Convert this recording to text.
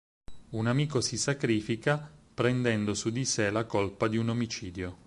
Un amico si sacrifica, prendendo su di sé la colpa di un omicidio.